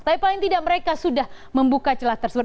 tapi paling tidak mereka sudah membuka celah tersebut